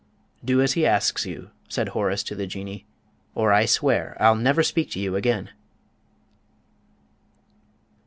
"Do as he asks you," said Horace to the Jinnee, "or I swear I'll never speak to you again."